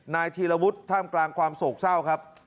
นายธีรวุฒิท่ามกลางความโศกเศร้าครับ